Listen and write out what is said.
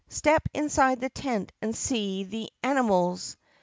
Step inside the tent and see the an i muls!